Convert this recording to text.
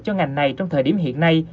cho ngành này trong thời điểm hiện nay